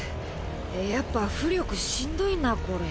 やっぱ巫力しんどいなこれ。